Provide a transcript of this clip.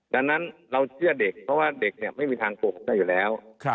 ดังนั้นเราเชื่อเด็กเพราะว่าเด็กเนี่ยไม่มีทางโกหกได้อยู่แล้ว